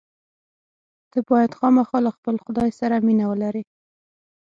ته باید خامخا له خپل خدای سره مینه ولرې.